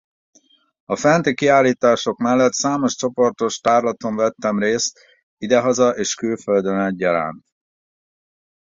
A fenti kiállítások mellett számos csoportos tárlaton vettem részt idehaza és külföldön egyaránt.